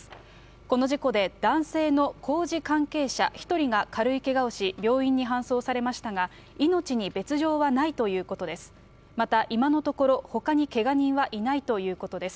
この事故で男性の工事関係者１人が軽いけがをし、病院に搬送されましたが、命に別状はないということです。